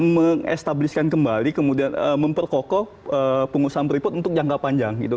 mengestabliskan kembali kemudian memperkokok pengusahaan freeport untuk jangka panjang